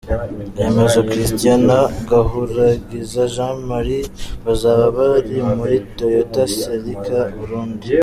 Remezo Christian na Gahuragiza Jean Marie bazaba bari muri Toyota Celica-Burundi.